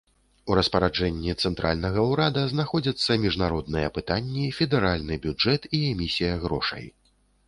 У распараджэнні цэнтральнага ўрада знаходзяцца міжнародныя пытанні, федэральны бюджэт і эмісія грошай.